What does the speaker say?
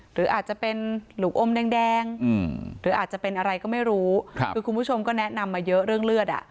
หรืออาจจะเป็นหลุมอมแดงหรืออาจจะเป็นอะไรก็ไม่รู้คือคุณผู้ชมก็แนะนำมาเยอะเรื่องเลือดอ่ะ